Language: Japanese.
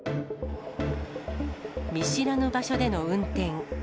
見知らぬ場所での運転。